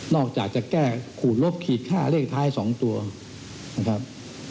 อกจากจะแก้ขูดลบขีดค่าเลขท้าย๒ตัวนะครับ